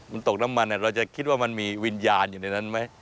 มันตกน้ำมันเราจะคิดว่ามันมีวิญญาณอยู่ในนั้นไหม